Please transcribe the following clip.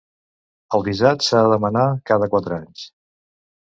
El visat s'ha de demanar cada quatre anys.